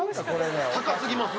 高すぎます？